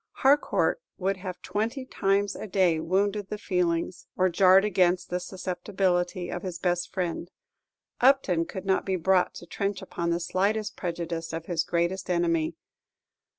Harcourt would have twenty times a day wounded the feelings, or jarred against the susceptibility, of his best friend; Upton could not be brought to trench upon the slightest prejudice of his greatest enemy.